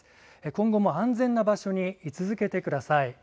今後も安全な場所に居続けてください。